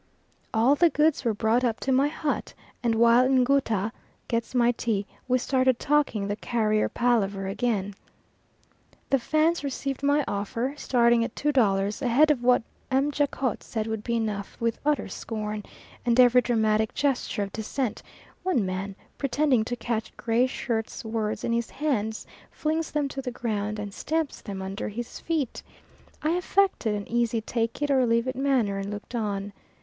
All the goods were brought up to my hut, and while Ngouta gets my tea we started talking the carrier palaver again. The Fans received my offer, starting at two dollars ahead of what M. Jacot said would be enough, with utter scorn, and every dramatic gesture of dissent; one man, pretending to catch Gray Shirt's words in his hands, flings them to the ground and stamps them under his feet. I affected an easy take it or leave it manner, and looked on.